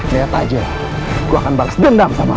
lihat aja gue akan balas dendam sama